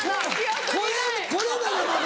これならまだ。